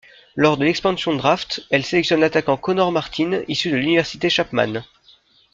Lors de l'Expansion Draft, elle sélectionne l'attaquant Conor Martin issu de l'Université Chapman.